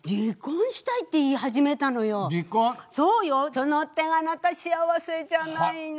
その点あなた幸せじゃないの。